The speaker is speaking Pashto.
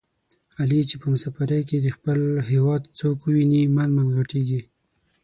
علي چې په مسافرۍ کې د خپل هېواد څوک وویني من من ِغټېږي.